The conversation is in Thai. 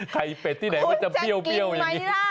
เป็ดที่ไหนมันจะเบี้ยวอย่างนี้